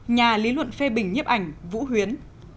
nhà lý luận phê bình nhiếp ảnh vũ huyến